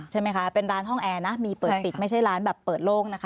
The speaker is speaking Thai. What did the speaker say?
ใช่ไหมคะเป็นร้านห้องแอร์นะมีเปิดปิดไม่ใช่ร้านแบบเปิดโล่งนะคะ